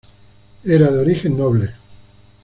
Era de origen noble.